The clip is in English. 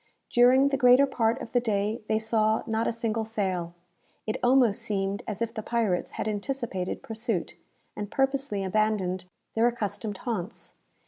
During the greater part of the day they saw not a single sail. It almost seemed as if the pirates had anticipated pursuit, and purposely abandoned their accustomed haunts.